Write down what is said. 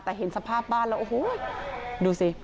แต่เห็นสภาพบ้านแล้วโอ้โหดูสิ